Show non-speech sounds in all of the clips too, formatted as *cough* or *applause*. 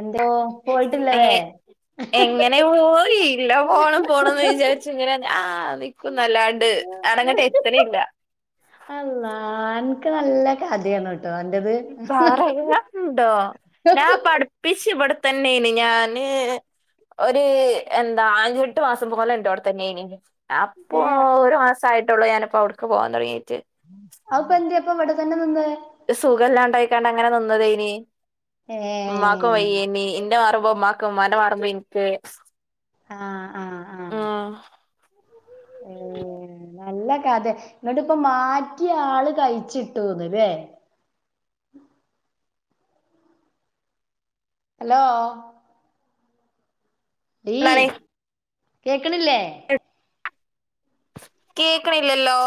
എന്തോ പോയിട്ടില്ല ഏ ലേ എങ്ങനെ പോയില്ല പോണം പോണംന്ന് വിചാര്ച്ച്ങ്ങനെ അള്ളാ അൻക്ക് നല്ല കഥേണ് പറയുവാണ്ടോ ഞാപ്പട്പ്പിച്ച് ഇവിടെ തന്നേണ് ഞാന് ഒര് എന്താ അഞ്ചെട്ട് മാസംപോലെ ഇന്റോട്തന്നെ ഏനി അപ്പൊ ഏ ഒരാസായി ഞാനിപ്പോ അവ്ട്ക്ക് പോവാൻ തൊടങ്ങീട്ട് അത്പ്പൊ എന്ത്യേ പ്പൊ ഇവിടെ തന്നെ നിന്നെ സുഖല്ലാണ്ടായ്ക്കാണ്ട് അങ്ങനെ നിന്നതേനി ഏ ഇമ്മാക്കും വയ്യേനി ഇന്റെ മാ റുമ്പൊ ഇമ്മാക്ക് ഇമ്മാന്റെ മാറുമ്പോ ഇൻക്ക് ആഹ് ആഹ് ഏ നല്ല കഥയ ഇങ്ങട്ട്പ്പ മാറ്റ്യ ആള് കഴിച്ചിട്ടൂന്ന്ലേ ഹലോ ടീ എന്താണ് കേക്ക്ണില്ലേ കേക്ക്ണില്ലല്ലോ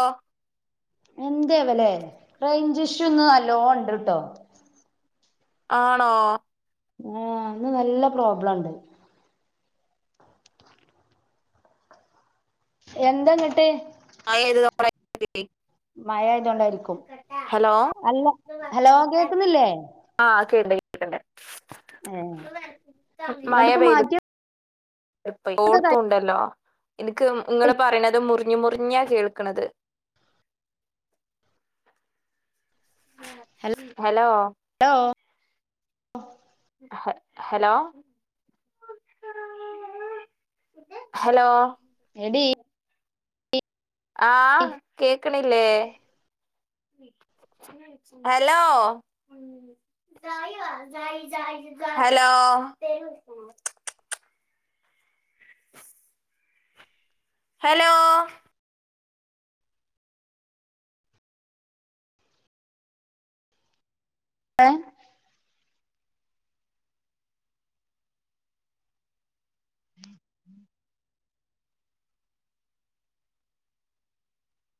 എന്തേ വലെ റെയിഞ്ച്ഷു ഇന്ന് നല്ലോണ്ട്ട്ടോ ആണോ ആ ഇന്ന് നല്ല പ്രോബ്ലം ഇണ്ട് എന്താന്നിട്ട് *unintelligible* മഴ ആയതൊണ്ടായിരിക്കും ഹലോ അല്ല ഹലോ കേക്കുന്നില്ലേ ആ ക്കെണ്ട് ഏ മഴ ങ്ങട്ടിപ്പ പെയ്ത് മാറ്റി ഓർത്തുണ്ടല്ലോ ഇൻക്ക് ഇങ്ങള് പറിണത് മുറിഞ്ഞ് മുറിഞ്ഞാ കേൾക്ക്ണത് ഹലോ ഹലോ ഹ ഹലോ ഹലോ എടീ ആഹ് കേക്ക്ണില്ലേ ഹലോ ഹലോ ഹലോ ഏഹ്